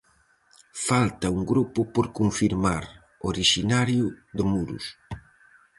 Falta un grupo por confirmar, orixinario de Muros.